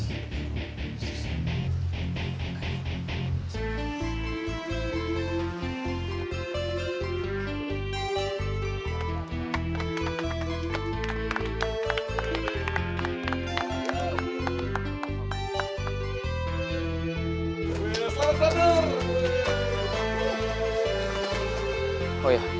selamat selamat selamat